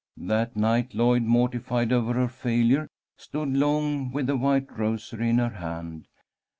That night, Lloyd, mortified over her failure, stood long with the white rosary in her hand.